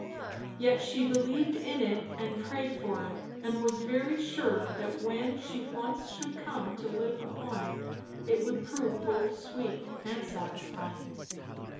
Yet she believed in it and prayed for it, and was very sure that when she once should come to live upon it, it would prove both sweet and satisfying.